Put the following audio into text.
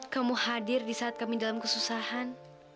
kamu hadir di saat kami dalam kesusahan